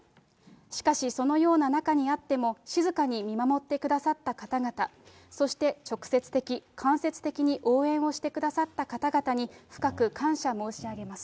しかし、そのような中にあっても、静かに見守ってくださった方々、そして直接的・間接的に応援をしてくださった方々に、深く感謝申し上げます。